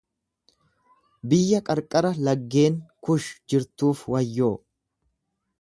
Biyya qarqara laggeen Kuush jirtuuf wayyoo!